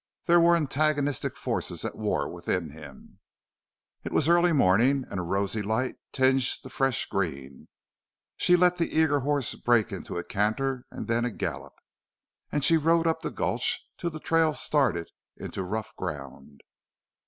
There were antagonistic forces at war within him. It was early morning and a rosy light tinged the fresh green. She let the eager horse break into a canter and then a gallop; and she rode up the gulch till the trail started into rough ground.